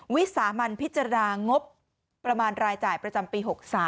วิสามันพิจารณางบประมาณรายจ่ายประจำปี๖๓